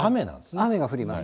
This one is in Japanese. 雨が降ります。